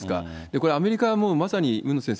これ、アメリカはもうまさに、海野先生